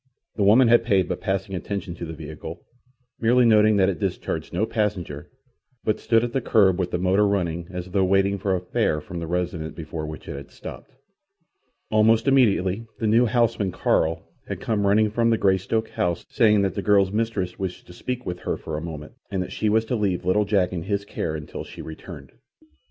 The woman had paid but passing attention to the vehicle, merely noting that it discharged no passenger, but stood at the kerb with the motor running as though waiting for a fare from the residence before which it had stopped. Almost immediately the new houseman, Carl, had come running from the Greystoke house, saying that the girl's mistress wished to speak with her for a moment, and that she was to leave little Jack in his care until she returned.